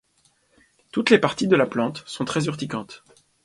Toutes les parties de la plante sont très urticantes.